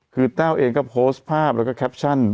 คือแต้วเองก็โพสต์ภาพแล้วก็แคปชั่น